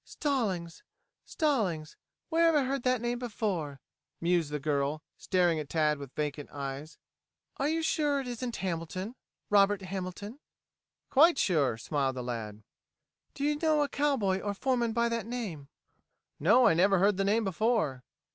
"Stallings Stallings. Where have I heard that name before?" mused the girl, staring at Tad with vacant eyes. "Are you sure it isn't Hamilton Robert Hamilton?" "Quite sure," smiled the lad. "Do you know a cowboy or foreman by that name?" "No, I never heard the name before."